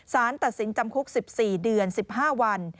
สารตัดสินจำคุก๑๔เดือน๑๕วัน